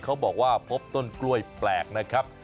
เขาบอกว่าพบต้นกล้วยแปลกนะครับ